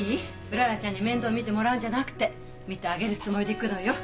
うららちゃんに面倒見てもらうんじゃなくて見てあげるつもりで行くのよ。